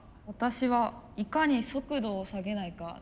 私はいかに速度を下げないか。